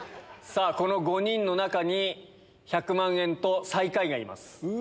この５人の中に１００万円と最下位がいます。